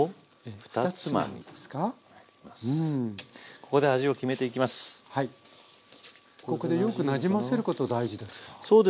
ここでよくなじませること大事ですか？